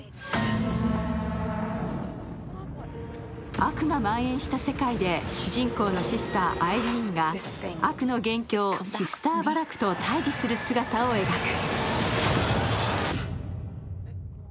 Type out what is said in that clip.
悪がまん延してした世界で主人公のシスター、アイリーンが悪の元凶、シスターヴァラクと対峙する姿を描く。